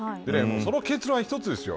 その結論は一つです。